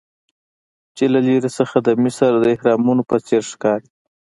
چې له لرې څخه د مصر د اهرامونو په څیر ښکاري.